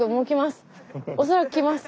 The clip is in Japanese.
恐らく来ます！